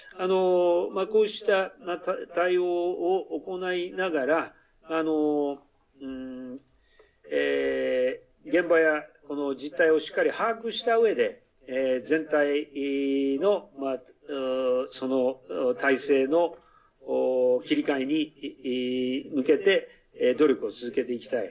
こうした対応を行いながら現場や、この実態をしっかり把握したうえで全体の態勢の切り替えに向けて努力を続けてきたい